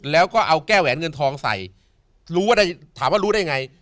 แล้วก็เอาแก้แหวนเงินทองใส่ถามว่ารู้ได้ยังไง